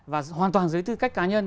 và hoàn toàn dưới tư cách cá nhân